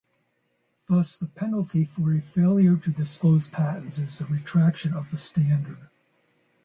Thus the penalty for a failure to disclose patents is retraction of the standard.